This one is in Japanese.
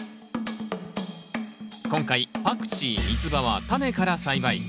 今回パクチーミツバはタネから栽培。